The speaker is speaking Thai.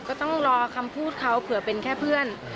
ก็ต้องรอคำพูดเขาเผื่อเป็นแค่เพื่อน